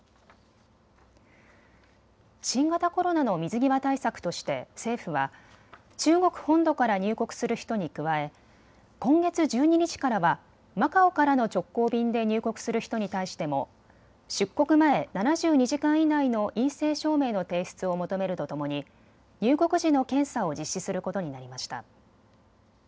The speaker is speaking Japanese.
新型コロナの水際対策として政府は中国本土から入国する人に加え今月１２日からはマカオからの直行便で入国する人に対しても出国前７２時間以内の陰性証明の提出を求めるとともに入国時の検査を実施することになりました。